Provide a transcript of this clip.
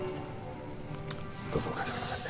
どうぞおかけください